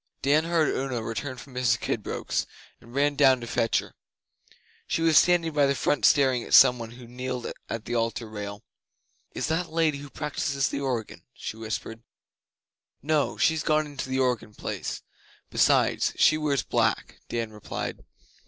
Dan heard Una return from Mrs Kidbrooke's, and ran down to fetch her. She was standing by the font staring at some one who kneeled at the Altar rail. 'Is that the Lady who practises the organ?' she whispered. 'No. She's gone into the organ place. Besides, she wears black,' Dan replied.